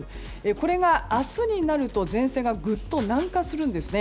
これが明日になると、前線がぐっと南下するんですね。